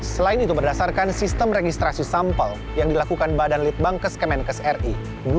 selain itu berdasarkan sistem registrasi sampel yang dilakukan badan litbangkes kemenkes ri